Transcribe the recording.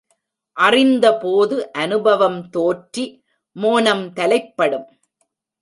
அறிந்தபோது அநுபவம் தோற்றி, மோனம் தலைப்படும்.